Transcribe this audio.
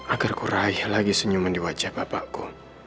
agar ku raih lagi senyuman di wajah bapakku